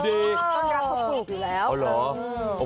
ต้นรักเขาปลูกอยู่แล้ว